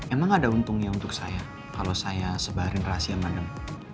emang ada untungnya untuk saya kalau saya sebarin rahasia mandang